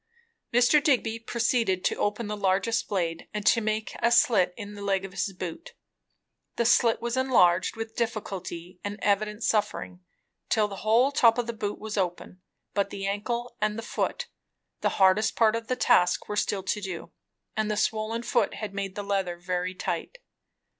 Mr. Digby proceeded to open the largest blade and to make a slit in the leg of his boot. The slit was enlarged, with difficulty and evident suffering, till the whole top of the boot was open; but the ankle and foot, the hardest part of the task, were still to do, and the swollen foot had made the leather very tight.